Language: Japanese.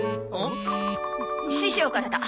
師匠からだ。